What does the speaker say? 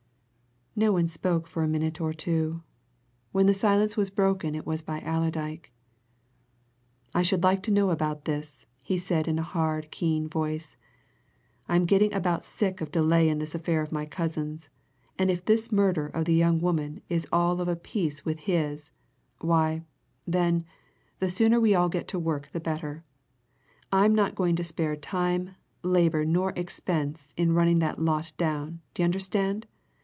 No one spoke for a minute or two. When the silence was broken it was by Allerdyke. "I should like to know about this," he said in a hard, keen voice. "I'm getting about sick of delay in this affair of my cousin's, and if this murder of the young woman is all of a piece with his, why, then, the sooner we all get to work the better. I'm not going to spare time, labour, nor expense in running that lot down, d'you understand?